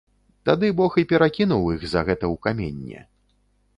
Тады бог і перакінуў іх за гэта ў каменне.